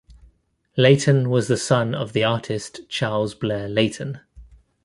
Leighton was the son of the artist Charles Blair Leighton.